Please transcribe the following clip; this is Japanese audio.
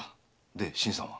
で新さんは？